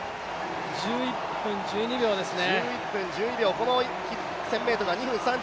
１１分１２秒ですね。